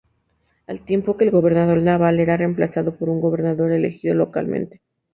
Al tiempo que el gobernador naval era reemplazado por un gobernador elegido localmente.